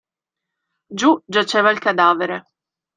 Giù, giaceva il cadavere.